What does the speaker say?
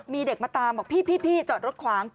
มีเด็กมาตามบอกพี่จอดรถขวาง